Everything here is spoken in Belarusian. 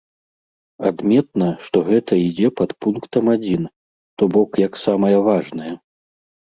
Адметна, што гэта ідзе пад пунктам адзін, то бок, як самае важнае.